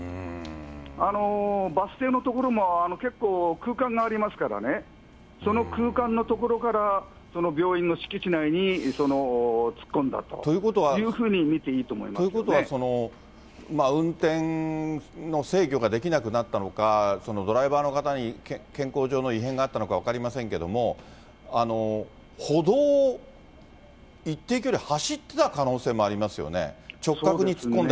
バス停の所も結構空間がありますからね、その空間の所から病院の敷地内に突っ込んだというふうに見ていいということは、運転の制御ができなくなったのか、ドライバーの方に健康上の異変があったのか分かりませんけれども、歩道を一定距離、走ってた可能性もありますよね。